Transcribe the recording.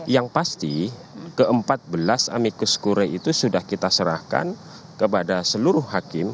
yang pasti ke empat belas amikus kure itu sudah kita serahkan kepada seluruh hakim